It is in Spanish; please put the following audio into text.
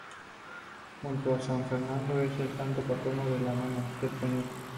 Junto a San Fernando es el santo patrono de la monarquía española.